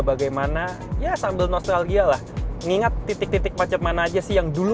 bagaimana ya sambil nostalgia lah mengingat titik titik macet mana aja sih yang dulu